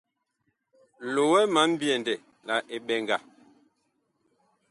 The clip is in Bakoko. Loɛ ma mbyɛndɛ la eɓɛŋga.